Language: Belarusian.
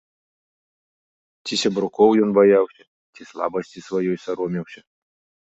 Ці сябрукоў ён баяўся, ці слабасці сваёй саромеўся.